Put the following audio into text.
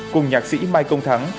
cùng nhạc sĩ mai công thắng